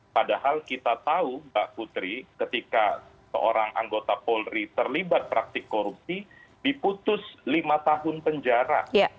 padahal kita tahu mbak putri ketika seorang anggota polri terlibat praktik korupsi diputus lima tahun penjara